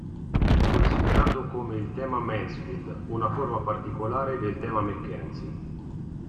È considerato, come il tema Mansfield, una forma particolare del tema Mackenzie.